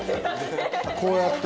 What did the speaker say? こうやって？